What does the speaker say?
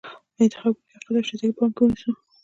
په انتخاب کې لیاقت او شایستګي په پام کې ونیسو.